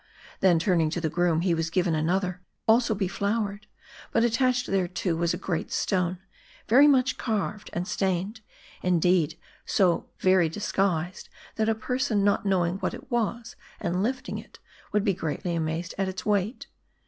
Then turning to the groom, he was given another, also beflowered ; but attached thereto was a great stone, very much carved, and stained ; indeed, so every way disguised, that a person not knowing what it was, and lift ing it, would be greatly amazed at its weight.